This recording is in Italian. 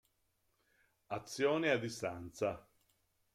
Azione a distanza